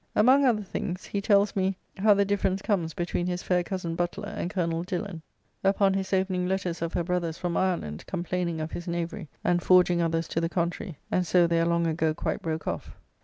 Among other things he tells me how the difference comes between his fair cozen Butler and Collonell Dillon, upon his opening letters of her brother's from Ireland, complaining of his knavery, and forging others to the contrary; and so they are long ago quite broke off.